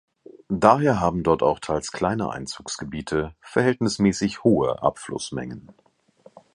Daher haben dort auch teils kleine Einzugsgebiete verhältnismäßig hohe Abflussmengen.